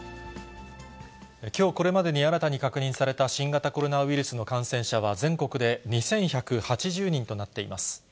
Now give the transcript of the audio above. きょうこれまでに新たに確認された新型コロナウイルスの感染者は、全国で２１８０人となっています。